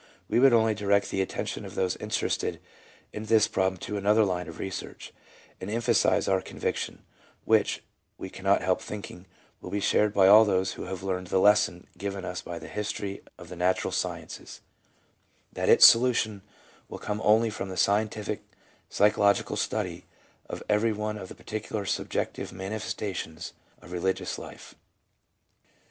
We would only direct the attention of those interested in this problem to another line of research, and emphasize our conviction — which, we cannot help thinking, will be shared by all those who have learned the lesson given us by the history of the Natural Sciences, — that its solution will come only from the scientific psychologi cal study of every one of the particular subjective manifesta tions of religious life.